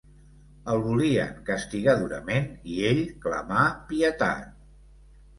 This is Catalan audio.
El volien castigar durament i ell clamà pietat.